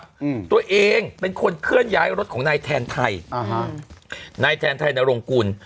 อืมตัวเองเป็นคนเคลื่อนย้ายรถของนายแทนไทยอ่าฮะนายแทนไทยนรงกุล